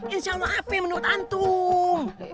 insyaallah apa menurut antum